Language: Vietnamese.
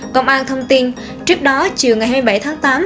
công an thông tin trước đó chiều ngày hai mươi bảy tháng tám